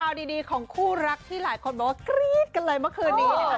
ดีของคู่รักที่หลายคนบอกว่ากรี๊ดกันเลยเมื่อคืนนี้นะคะ